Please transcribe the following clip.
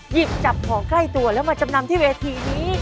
หยิบจับของใกล้ตัวแล้วมาจำนำที่เวทีนี้